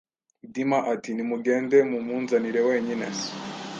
Dima ati:nimugende mumunzanire wenyine